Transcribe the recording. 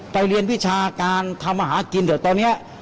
ไปเรียนวิชาการทำอาหารกินเถอะตอนนี้